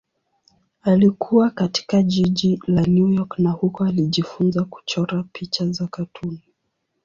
Alikua katika jiji la New York na huko alijifunza kuchora picha za katuni.